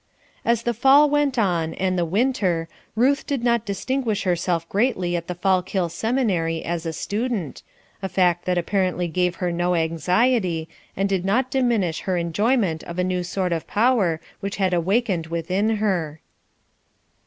As the fall went on and the winter, Ruth did not distinguish herself greatly at the Fallkill Seminary as a student, a fact that apparently gave her no anxiety, and did not diminish her enjoyment of a new sort of power which had awakened within her.